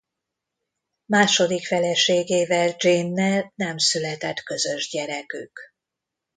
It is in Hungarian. Második feleségével Jane-nel nem született közös gyerekük.